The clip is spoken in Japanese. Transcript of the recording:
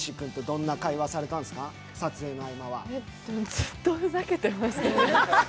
ずっとふざけてましたよね。